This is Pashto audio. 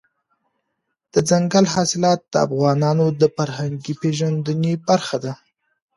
دځنګل حاصلات د افغانانو د فرهنګي پیژندنې برخه ده.